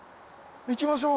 行きましょう！